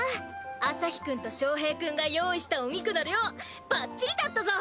朝陽くんと翔平くんが用意したお肉の量バッチリだったぞ！